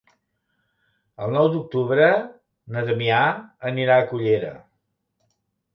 El nou d'octubre na Damià anirà a Cullera.